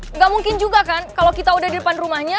enggak mungkin juga kan kalau kita udah di depan rumahnya